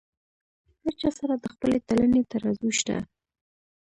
هر چا سره د خپلې تلنې ترازو شته.